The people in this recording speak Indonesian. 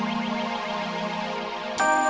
tante aku mau kemana